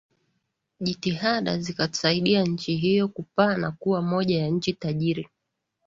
Jitihada zikasaidia nchi hiyo kupaa na kuwa moja ya nchi tajiri